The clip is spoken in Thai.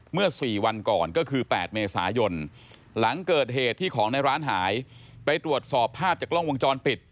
เมื่อ๔วันก่อนก็คือ๘เมษายนหลังเกิดเหตุที่ของในร้านหายไปตรวจสอบภาพจากกล้องวงจรปิด